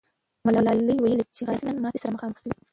ملالۍ وویل چې غازیان ماتي سره مخامخ سوي.